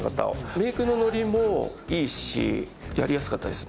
メイクの乗りもいいしやりやすかったですね。